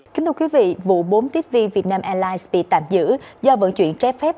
kính thưa quý vị vụ bốn tiếp viên việt nam airlines bị tạm giữ do vận chuyển trái phép